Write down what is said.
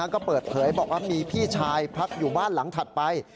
ก็เปิดเผยบอกว่ามีพี่ชายพักอยู่บ้านหลังถัดไป